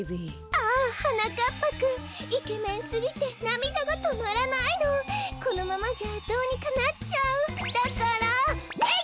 ああはなかっぱくんイケメンすぎてなみだがとまらないのこのままじゃどうにかなっちゃうだからえいっ！